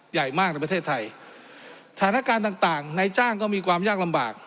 ใหญ่มากในประเทศไทยสถานการณ์ต่างต่างในจ้างก็มีความยากลำบาก